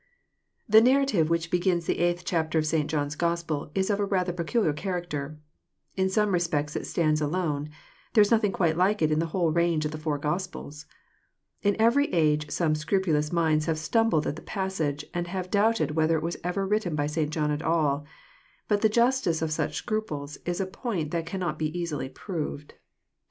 The narrative which begins the eighth chapter of St. John's Gospel is of a rather pecnliar character. In some respects it stands alone. There is nothing quite like it in the whole range of the four Gospels. In every age some scrupulous minds have stumbled at the passage, and have doubted whether it was ever written by St. John at all. But the justice of such scruples is a point that cannot easily bo proved.